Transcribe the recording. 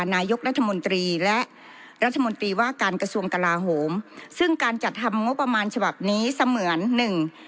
นายกรัฐมนตรีและรัฐมนตรีว่าการกระทรวงกลาโหมซึ่งการจัดทำงบประมาณฉบับนี้เสมือนหนึ่ง